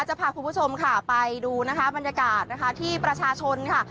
จะพาคุณผู้ชมค่ะไปดูนะคะบรรยากาศนะคะที่ประชาชนค่ะ